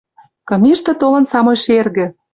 Кым иштӹ толын самой шергӹ!